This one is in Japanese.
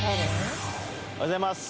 おはようございます